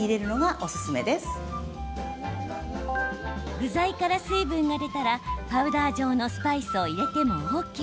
具材から水分が出たらパウダー状のスパイスを入れてもＯＫ。